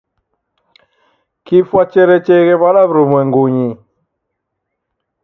Kifwa cherecheeghe w'ada w'urumwengunyi?